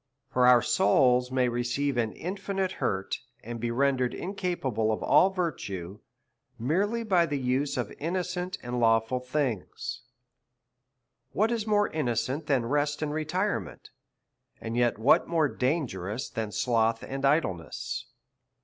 For our souls may receive an infinite hurt, and be rendered incapable of all virtue, merely by the use of innocent andlav»ful things. What is more innocent than rest and retirement, and yet what more dangerous than sloth and idleness?